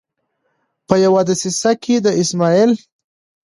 په یوه دسیسه کې د اسمعیل